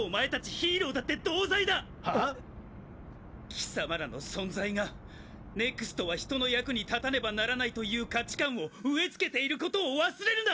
貴様らの存在がＮＥＸＴは人の役に立たねばならないという価値観を植えつけていることを忘れるな！